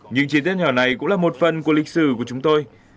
những chi tiết nhỏ này cũng là một phần của lịch sử của chúng tôi